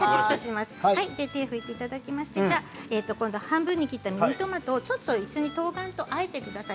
手を拭いていただいて今度は半分に切ったミニトマトを一緒にとうがんとあえてください。